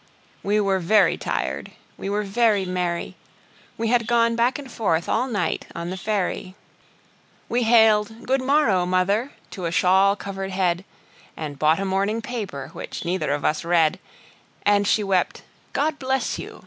We were very tired, we were very merry, We had gone back and forth all night on the ferry, We hailed "Good morrow, mother!" to a shawl covered head, And bought a morning paper, which neither of us read; And she wept, "God bless you!"